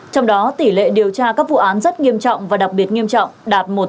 trong đó tỷ lệ điều tra các vụ án rất nghiêm trọng và đặc biệt nghiêm trọng đạt một